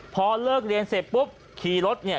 พอเลิกเรียนเสร็จปุ๊บขี่รถเนี่ย